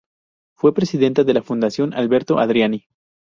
Fue presidenta de la Fundación Alberto Adriani.